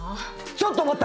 ちょっと待った！